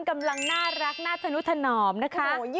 กำลังน่ารักน่าธนุถนอมนะคะ